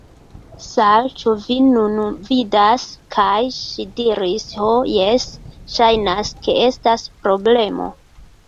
"Sal'! Ĉu vi nun vidas?" kaj ŝi diris: "Ho, jes. Ŝajnas ke estas problemo."